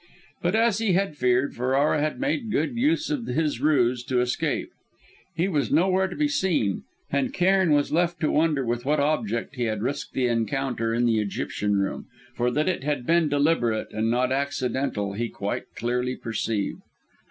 But, as he had feared, Ferrara had made good use of his ruse to escape. He was nowhere to be seen; and Cairn was left to wonder with what object he had risked the encounter in the Egyptian Room for that it had been deliberate, and not accidental, he quite clearly perceived.